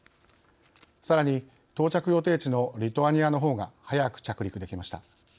さらに到着予定地のリトアニアのほうが早く着陸できました。